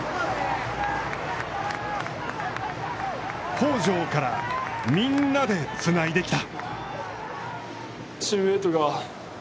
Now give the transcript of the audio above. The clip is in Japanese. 北條からみんなでつないできた。